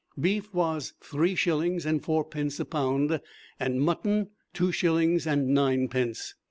Beef was three shillings and fourpence a pound, and mutton two shillings and ninepence.